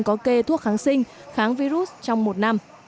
có kê thuốc kháng sinh kháng virus trong một năm